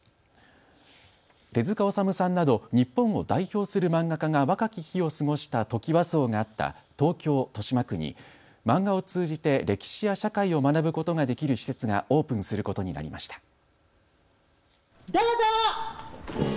手塚治虫さんなど日本を代表する漫画家が若き日を過ごしたトキワ荘があった東京豊島区に漫画を通じて歴史や社会を学ぶことができる施設がオープンすることになりました。